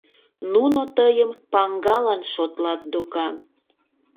Нуно тыйым паҥгалан шотлат докан.